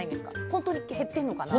本当に減ってるのかな。